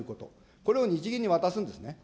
これを日銀に渡すんですね。